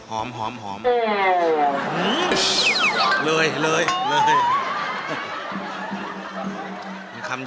หอม